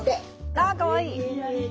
あっかわいい。